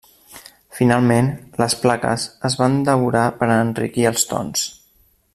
Finalment, les plaques es van daurar per a enriquir els tons.